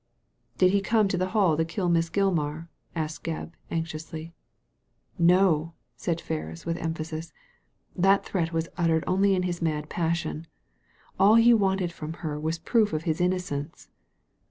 '' ''Did he come to the Hall to kill Miss Gilmar?" asked Gebb, anxiously. Nor'said Ferris, with emphasis. "That threat was uttered only in his mad passion. All he wanted from her was proof of his innocence."